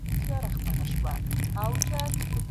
څوک په دروازه کي دی؟